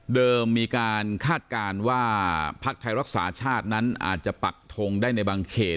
มีการคาดการณ์ว่าพักไทยรักษาชาตินั้นอาจจะปักทงได้ในบางเขต